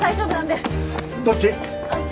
どっち？